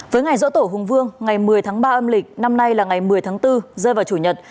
với ngày dỗ tổ hùng vương ngày một mươi tháng ba âm lịch năm nay là ngày một mươi tháng bốn rơi vào chủ nhật